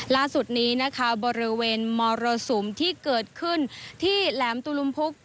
ล่าสุดนี้นะคะบริเวณมรสุมที่เกิดขึ้นที่แหลมตุลุมพุก